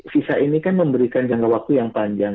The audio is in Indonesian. visa ini kan memberikan jangka waktu yang panjang